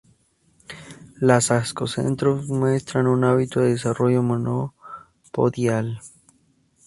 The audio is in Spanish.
Las "Ascocentrum" muestran un hábito de desarrollo monopodial.